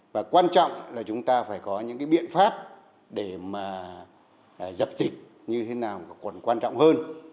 và quan trọng là chúng ta phải có những cái biện pháp để mà dập dịch như thế nào còn quan trọng hơn